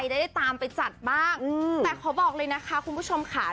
ได้ตามไปจัดบ้างแต่ขอบอกเลยนะคะคุณผู้ชมค่ะ